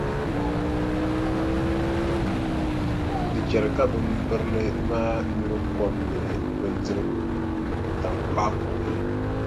Di chɛri ka bimbirili maa nyuri kom mini bindirigu taŋkpaɣu puuni.